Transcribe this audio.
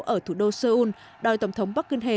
ở thủ đô seoul đòi tổng thống park geun hye